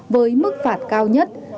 với mức phạt cao nhất